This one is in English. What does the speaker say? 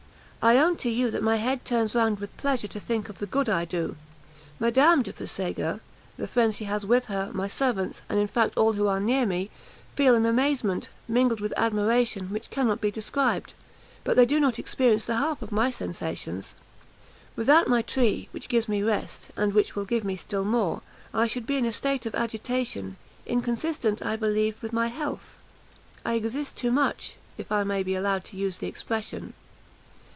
I own to you that my head turns round with pleasure to think of the good I do. Madame de Puysegur, the friends she has with her, my servants, and, in fact, all who are near me, feel an amazement, mingled with admiration, which cannot be described; but they do not experience the half of my sensations. Without my tree, which gives me rest, and which will give me still more, I should be in a state of agitation, inconsistent, I believe, with my health. I exist too much, if I may be allowed to use the expression."